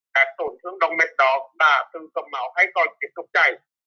các tổn thương đồng mẹt đó đã từng cầm máu hay còn tiếp tục chảy